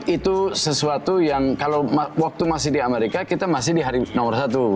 itu sesuatu yang kalau waktu masih di amerika kita masih di hari nomor satu